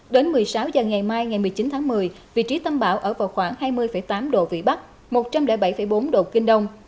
đến một mươi sáu h ngày mai ngày một mươi chín tháng một mươi vị trí tâm bão ở vào khoảng hai mươi tám độ vĩ bắc một trăm linh bảy bốn độ kinh đông